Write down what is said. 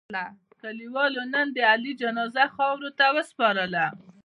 کلیوالو نن د علي جنازه خاورو ته و سپارله.